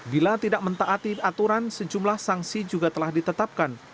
bila tidak mentaati aturan sejumlah sanksi juga telah ditetapkan